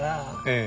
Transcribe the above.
ええ。